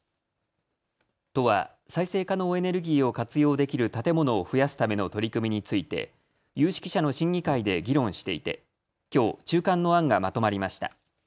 都は再生可能エネルギーを活用できる建物を増やすための取り組みについて有識者の審議会で議論していてきょう中間の案がまとまりました。